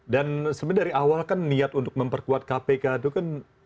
dan sebenarnya dari awal kan niat untuk memperkuat kpk itu kan